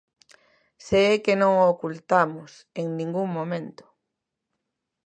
¡Se é que non o ocultamos en ningún momento!